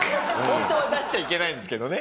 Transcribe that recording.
ホントは出しちゃいけないんですけどね。